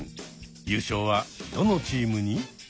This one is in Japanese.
優勝はどのチームに？